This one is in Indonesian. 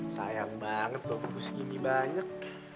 sayang banget tuh buku segini banyak